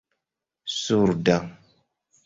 surda